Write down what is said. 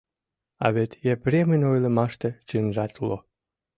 А вет Епремын ойлымаште чынжат уло.